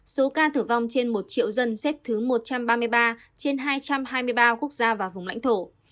số ca tử vong trên một triệu dân xếp thứ một trăm ba mươi ba trên hai trăm hai mươi ba quốc gia và vùng lãnh thổ